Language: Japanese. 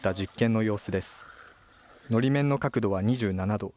のり面の角度は２７度。